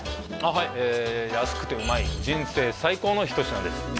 はい安くてうまい人生最高の一品です